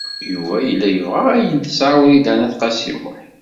Yuba yella yebɣa ayen tesɛa Wrida n At Qasi Muḥ.